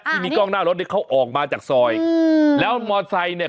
ที่มีกล้องหน้ารถเขาออกมาจากซอยแล้วมอเตอร์ไซค์เนี่ย